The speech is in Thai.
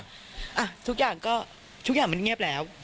อ่ะทุกอย่างก็ทุกอย่างมันเงียบแล้ว